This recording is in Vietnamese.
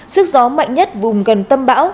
sức gió mạnh nhất vùng gần tâm bão